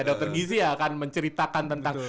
dokter gizi ya akan menceritakan tentang